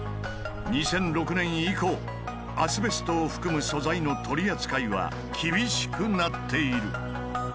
２００６年以降アスベストを含む素材の取り扱いは厳しくなっている。